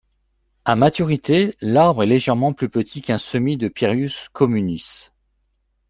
À maturité, l'arbre est légèrement plus petit qu'un semis de Pyrus communis.